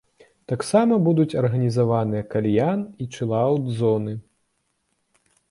Таксама будуць арганізаваныя кальян- і чылаўт-зоны.